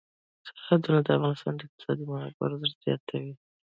سرحدونه د افغانستان د اقتصادي منابعو ارزښت زیاتوي.